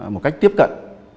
một cách tiếp cận